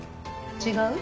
違う？